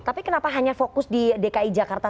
tapi kenapa hanya fokus di dki jakarta